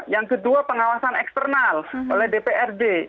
yang kedua pengawasan eksternal oleh dprd